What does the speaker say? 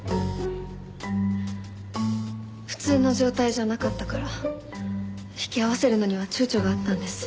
普通の状態じゃなかったから引き合わせるのには躊躇があったんです。